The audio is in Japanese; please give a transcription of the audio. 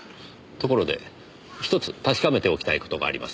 ところで１つ確かめておきたい事があります。